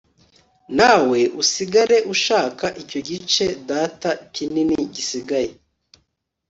nawe usigare ushaka icyo gice data kinini gisigaye